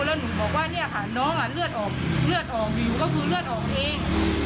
แล้วหนูบอกว่าเนี่ยค่ะน้องเลือดออกเลือดออกอยู่ก็คือเลือดออกเอง